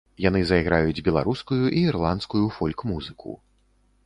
Яны зайграюць беларускую і ірландскую фольк-музыку.